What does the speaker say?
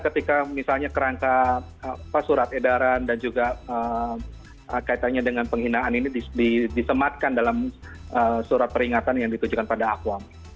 ketika misalnya kerangka surat edaran dan juga kaitannya dengan penghinaan ini disematkan dalam surat peringatan yang ditujukan pada akuam